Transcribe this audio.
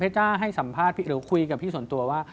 จ้าให้สัมภาษณ์หรือคุยกับพี่ส่วนตัวว่า